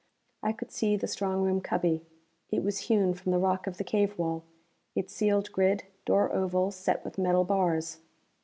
I could see the strong room cubby. It was hewn from the rock of the cave wall, its sealed grid door oval set with metal bars.